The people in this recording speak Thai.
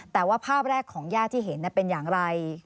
แต่ว่าภาพแรกของญาติที่เห็นเป็นอย่างไร